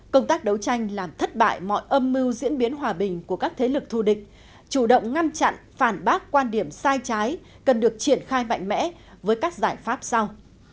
công tác đấu tranh làm thất bại mọi âm mưu diễn biến hòa bình của các thế lực thù địch chủ động ngăn chặn phản bác quan điểm sai trái cần được triển khai mạnh mẽ với các giải pháp sau